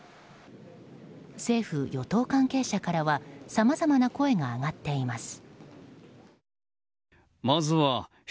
政府・与党関係者からはさまざまな声が上がっています。